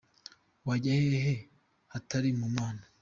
Wajya hehe hatari ku Mana ?”